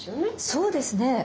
そうですね。